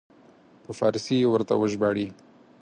په فارسي یې ورته وژباړي.